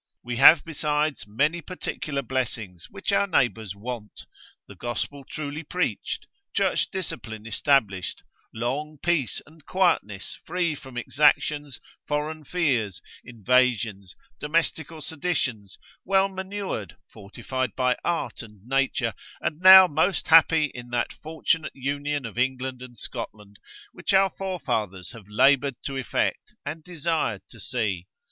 We have besides many particular blessings, which our neighbours want, the Gospel truly preached, church discipline established, long peace and quietness free from exactions, foreign fears, invasions, domestical seditions, well manured, fortified by art, and nature, and now most happy in that fortunate union of England and Scotland, which our forefathers have laboured to effect, and desired to see.